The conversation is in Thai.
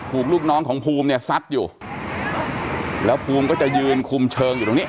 ลูกน้องของภูมิเนี่ยซัดอยู่แล้วภูมิก็จะยืนคุมเชิงอยู่ตรงนี้